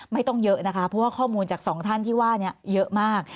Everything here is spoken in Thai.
ไม่ต้องเยอะนะคะเพราะว่าข้อมูลจากสองท่านที่ว่านี้เยอะมาก